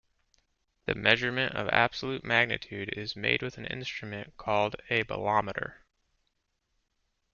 The measurement of absolute magnitude is made with an instrument called a bolometer.